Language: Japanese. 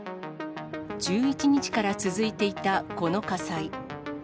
１１日から続いていたこの火災。